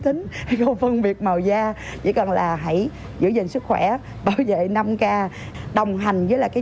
hạn không phân biệt màu da chỉ cần là hãy giữ gìn sức khỏe bảo vệ năm k đồng hành với là cái